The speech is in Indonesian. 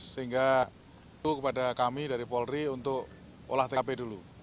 sehingga itu kepada kami dari polri untuk olah tkp dulu